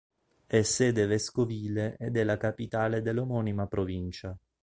È sede vescovile ed è la capitale dell'omonima provincia.